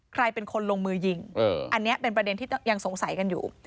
ใครเป็นคนลงมือยิงอันนี้เป็นประเด็นที่ยังสงสัยกันอยู่